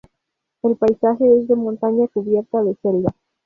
El paisaje es de montaña cubierta de selva.